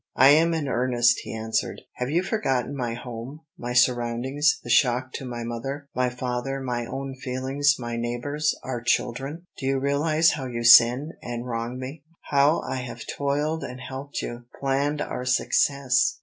"I am in earnest," he answered. "Have you forgotten my home, my surroundings, the shock to my mother, my father, my own feelings, my neighbors, our children? Do you realize how you sin, and wrong me? "How I have toiled and helped you, planned our success!